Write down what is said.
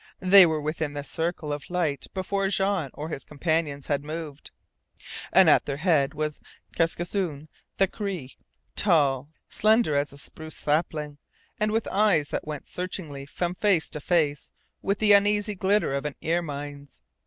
They were within the circle of light before Jean or his companions had moved, and at their head was Kaskisoon, the Cree: tall, slender as a spruce sapling, and with eyes that went searchingly from face to face with the uneasy glitter of an ermine's.